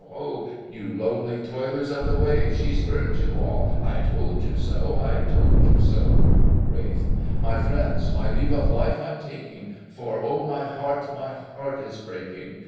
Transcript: Oho! You lowly toilers of the waves, She spurns you all—I told you so! RALPH. My friends, my leave of life I'm taking, For oh, my heart, my heart is breaking.